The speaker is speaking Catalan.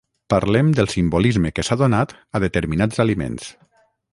parlem del simbolisme que s'ha donat a determinats aliments